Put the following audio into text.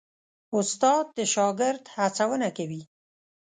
استاد د شاګرد هڅونه کوي.